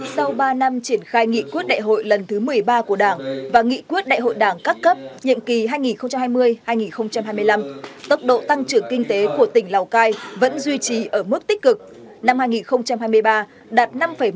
sau ba năm triển khai nghị quyết đại hội lần thứ một mươi ba của đảng và nghị quyết đại hội đảng các cấp nhiệm kỳ hai nghìn hai mươi hai nghìn hai mươi năm tốc độ tăng trưởng kinh tế của tỉnh lào cai vẫn duy trì ở mức tích cực năm hai nghìn hai mươi ba đạt năm một mươi